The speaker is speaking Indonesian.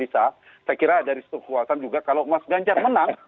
saya kira dari suku kuasa kalau mas ganjar menang